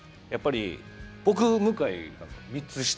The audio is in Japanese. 僕、向井が３つ下。